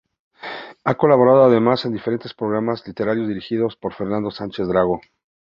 Ha colaborado además en diferentes programas literarios dirigidos por Fernando Sánchez Dragó.